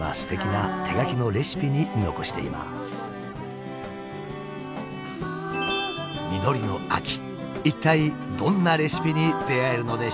一体どんなレシピに出会えるのでしょうか。